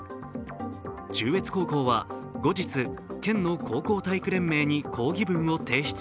中越高校は、後日、県の高校体育連盟に抗議文を提出。